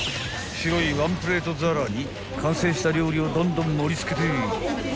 ［白いワンプレート皿に完成した料理をどんどん盛り付けて］